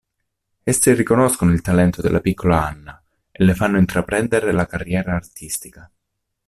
Essi riconoscono il talento della piccola Anna e le fanno intraprendere la carriera artistica.